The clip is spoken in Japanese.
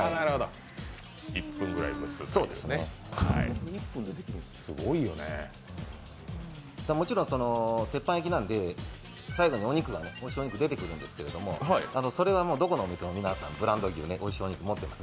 １分ぐらい蒸すということで鉄板焼きなんで最後においしいお肉が出てくるんですけどそれはどこのお店もブランド牛、おいしいお肉を持ってます。